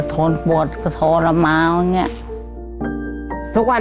ก็ปวดซักทีละนั้น